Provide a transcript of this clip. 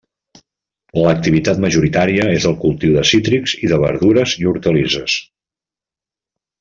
L'activitat majoritària és el cultiu de cítrics i de verdures i hortalisses.